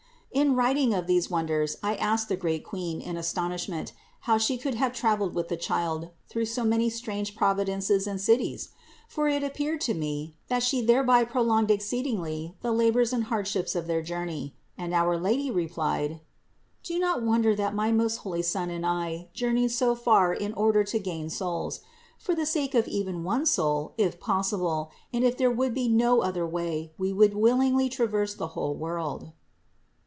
647. In writing of these wonders, I asked the great Queen in astonishment how She could have traveled with the Child through so many strange provinces and cities? For it appeared to me that She thereby prolonged exceed 554 CITY OF GOD ingly the labors and hardships of their journey. And our Lady replied: "Do not wonder that my most holy Son and I journeyed so far in order to gain souls. For the sake of even one soul, if possible, and if there would be no other way, We would willingly traverse the whole world."